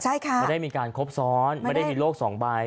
ใช่ค่ะไม่ได้มีการครบซ้อนไม่ได้มีโลกสองใบ